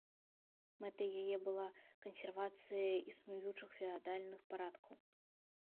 Мэтай яе была кансервацыя існуючых феадальных парадкаў.